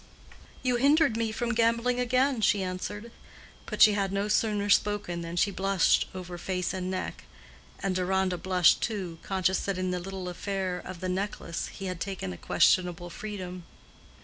"You hindered me from gambling again," she answered. But she had no sooner spoken than she blushed over face and neck; and Deronda blushed, too, conscious that in the little affair of the necklace he had taken a questionable freedom.